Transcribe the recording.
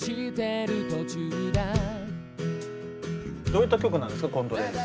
どういった曲なんですか？